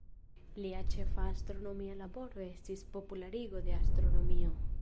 Lia ĉefa astronomia laboro estis popularigo de astronomio.